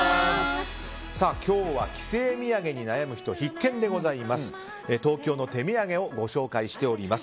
今日は帰省土産に悩む人必見でございます。